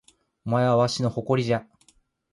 お前はわしの誇りじゃ